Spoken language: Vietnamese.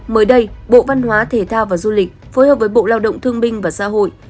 mới đây bộ văn hóa thể thao và du lịch phối hợp với bộ lao động thương binh và xã hội